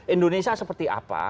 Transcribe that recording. indonesia seperti apa